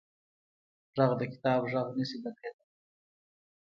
غږ د کتاب غږ نه شي بدلېدلی